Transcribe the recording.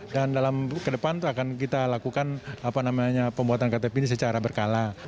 dan dalam ke depan akan kita lakukan apa namanya pembuatan ktp ini secara berkala